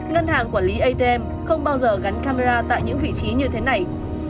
ngân hàng quản lý atm không bao giờ gắn camera tại những vị trí như thế này